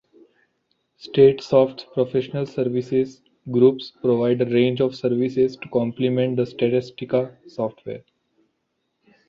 StatSoft's professional services groups provide a range of services to complement the Statistica software.